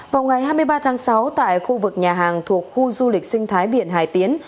vào ngày hai mươi ba tháng sáu tại khu vực nhà hàng thuộc khu du lịch sinh thái biển hải tiến